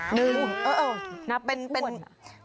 หนึ่ง